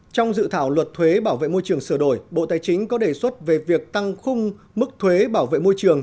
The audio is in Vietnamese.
trong dự thảo luật thuế bảo vệ môi trường sửa đổi bộ tài chính có đề xuất về việc tăng khung mức thuế bảo vệ môi trường